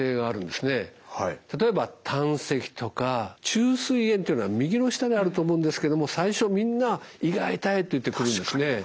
例えば胆石とか虫垂炎っていうのは右の下であると思うんですけども最初みんな胃が痛いって言って来るんですね。